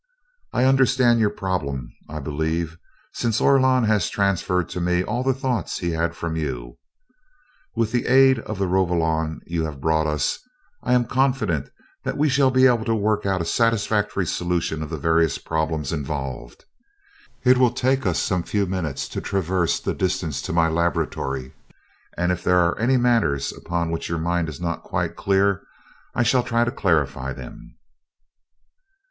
"I understand your problem, I believe, since Orlon has transferred to me all the thoughts he had from you. With the aid of the Rovolon you have brought us, I am confident that we shall be able to work out a satisfactory solution of the various problems involved. It will take us some few minutes to traverse the distance to my laboratory, and if there are any matters upon which your mind is not quite clear, I shall try to clarify them."